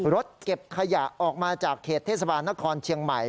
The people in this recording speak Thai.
รถเก็บขยะออกมาจากเขตเทศบาลนครเชียงใหม่